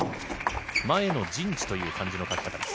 前の陣地という漢字の書き方です。